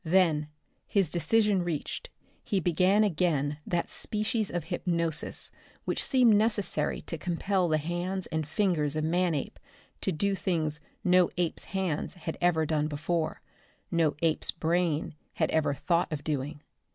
Then, his decision reached, he began again that species of hypnosis which seemed necessary to compel the hands and fingers of Manape to do things no ape's hands had ever done before, no ape's brain had ever thought of doing.